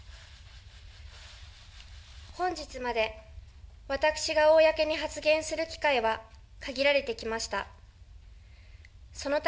本日まで、私が公に発言する機会は、限られてきました。